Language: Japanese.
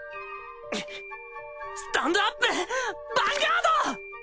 スタンドアップヴァンガード！